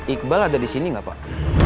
iqbal ada di sini nggak pak